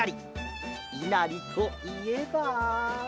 「いなり」といえば。